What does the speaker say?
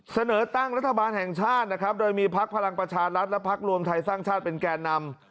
เสนอตั้งรัฐบาลแห่งชาตินะครับโดยมีพักพลังประชารัฐและพักรวมไทยสร้างชาติเป็นแก่นำ